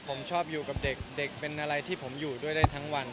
ผมชอบอยู่กับเด็กเด็กเป็นอะไรที่ผมอยู่ด้วยได้ทั้งวัน